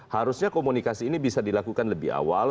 harusnya komunikasi ini bisa dilakukan lebih awal